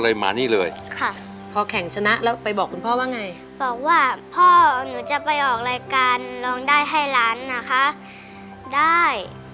ว่าไงบอกว่าพ่อหนูจะไปออกรายการร้องได้ให้ร้านนะคะได้